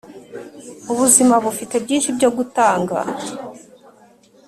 ubuzima bufite byinshi byo gutanga